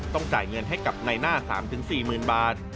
จ่ายเงินให้กับในหน้า๓๔๐๐๐บาท